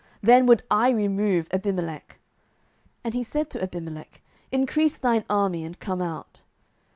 then would I remove Abimelech. And he said to Abimelech, Increase thine army, and come out.